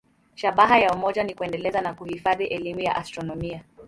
Shabaha ya umoja ni kuendeleza na kuhifadhi elimu ya astronomia.